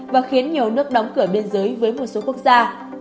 và khiến nhiều nước đóng cửa biên giới với một số quốc gia